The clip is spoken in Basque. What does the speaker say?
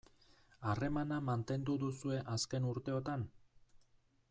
Harremana mantendu duzue azken urteotan?